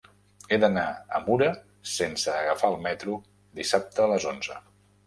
He d'anar a Mura sense agafar el metro dissabte a les onze.